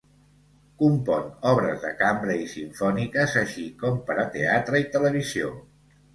Compon obres de cambra i simfòniques així com per a teatre i televisió.